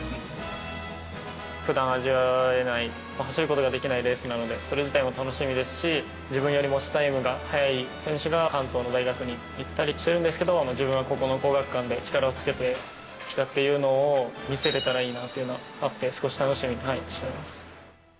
ふだん味わえない、走ることができないレースなので、それ自体も楽しみですし、自分よりもタイムが速い選手が関東の大学に行ったりしてるんですけど、自分はここの皇學館で力をつけてきたっていうのを見せれたらいいなっていうのはあって、少し楽しみにしてます。